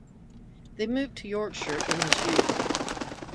They moved to Yorkshire in his youth.